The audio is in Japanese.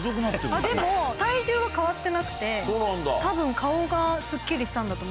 でも体重は変わってなくてたぶん顔がすっきりしたんだと思います。